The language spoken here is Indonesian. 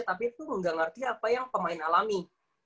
tapi itu ga ngerti apa yang pemain alami